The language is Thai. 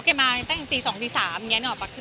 แกมาตั้งแต่กันตี๒๓เช่นแบบนี้